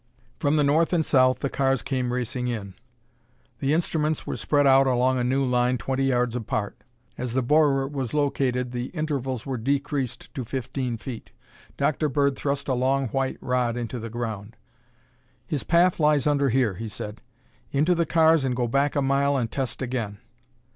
From the north and south the cars came racing in. The instruments were spread out along a new line twenty yards apart. As the borer was located the intervals were decreased to fifteen feet. Dr. Bird thrust a long white rod into the ground. "His path lies under here," he said. "Into the cars and go back a mile and test again."